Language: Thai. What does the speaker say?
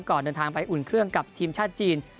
ก่อนเดินทางไปอุ่นเครื่องกับทีมชาติจีน